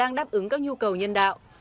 họ đang đáp ứng các nhu cầu nhân đạo